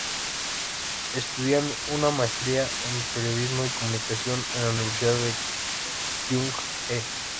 Estudió una maestría en periodismo y comunicación en la Universidad de Kyung Hee.